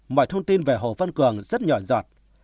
mọi thông tin về hồ văn cường rất nhỏ giọt